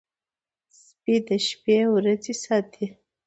سپي د شپې ورځي ساتي.